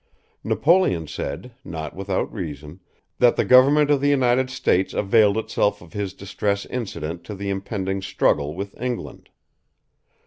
Napoleon said, not without reason, that the government of the United States availed itself of his distress incident to the impending struggle with England.